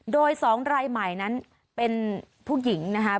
โดย๒รายใหม่นั้นเป็นผู้หญิงนะครับ